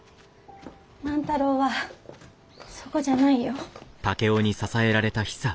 万太郎はそこじゃないよ。